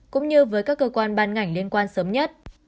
cũng như với các cơ quan ban ngành liên quan sớm nhất